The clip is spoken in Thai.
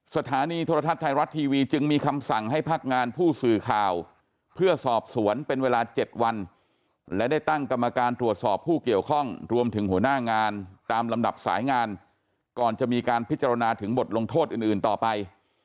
สถานีโทรทัศน์ไทยรัฐทีวีจึงมีคำสั่งให้พักงานผู้สื่อข่าวเพื่อสอบสวนเป็นเวลา๗วันและได้ตั้งกรรมการตรวจสอบผู้เกี่ยวข้องรวมถึงหัวหน้างานตามลำดับสายงานก่อนจะมีการพิจารณาถึงบทลงโทษอื่นต่อไป